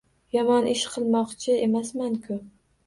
Yomon ish qilmoqchi emasmanku!